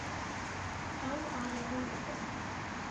Ew alî min dikin.